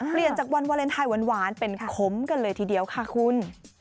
เปลี่ยนจากวันวาเลนไทยหวานเป็นคมกันเลยทีเดียวค่ะคุณ